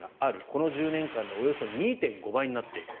この１０年間でおよそ２．５倍になっている。